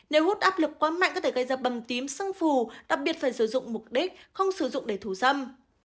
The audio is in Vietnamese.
nếu hút áp lực quá mạnh có thể gây ra bầm tím xưng phù đặc biệt phải sử dụng mục đích không sử dụng để thù dâm